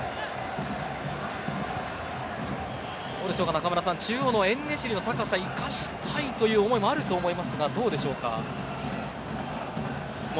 中村さん、中央のエンネシリの高さを生かしたい思いもあると思いますがどうでしょうか。